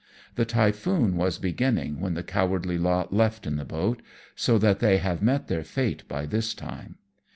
" The typhoon was beginning when the cowardly lot left in the boat, so that they have met their fate by this time.